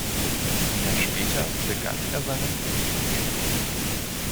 Ein Jahr später begann er seine Profikarriere.